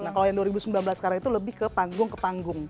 nah kalau yang dua ribu sembilan belas sekarang itu lebih ke panggung ke panggung